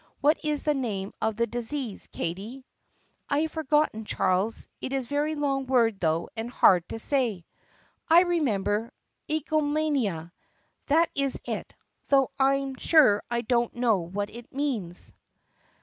What is the name of the disease, Katie 4 ?" "I have forgotten, Charles. It is a very long word, though, and hard to say." "I remember! Eggalomania! Yes, that's it, though I'm sure I don't know what it means."